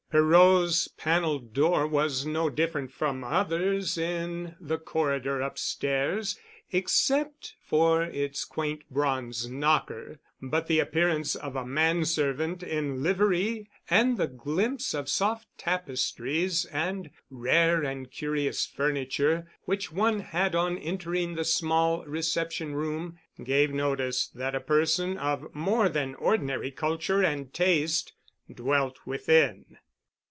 Perot's panelled door was no different from others in the corridor upstairs, except for its quaint bronze knocker, but the appearance of a man servant in livery and the glimpse of soft tapestries and rare and curious furniture which one had on entering the small reception room gave notice that a person of more than ordinary culture and taste dwelt within.